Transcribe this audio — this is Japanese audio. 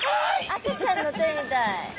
赤ちゃんの手みたい。